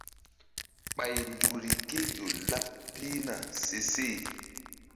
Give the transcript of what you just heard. Ɓay nzukri ké ƴo laɓ pihna seseh.